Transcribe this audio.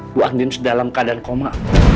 bu andien sedalam keadaan koma